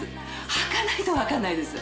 はかないと分かんないです。